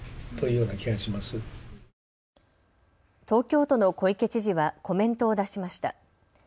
東京都の小池知事はコメントを出しました。